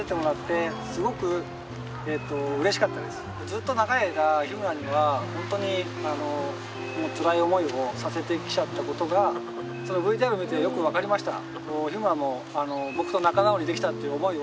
ずっと長い間日村にはホントにつらい思いをさせてきちゃった事がＶＴＲを見てよくわかりました。